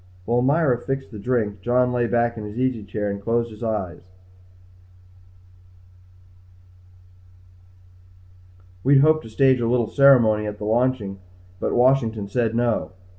While Myra fixed the drink John lay back in his easy chair and closed his eyes. "We'd hoped to stage a little ceremony at the launching but Washington said no."